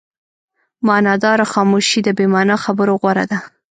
معناداره خاموشي د بې معنا خبرو غوره ده.